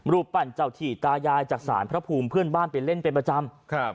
ปั่นเจ้าถี่ตายายจากศาลพระภูมิเพื่อนบ้านไปเล่นเป็นประจำครับ